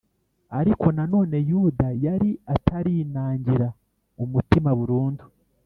ariko na none yuda yari atarinangira umutima burundu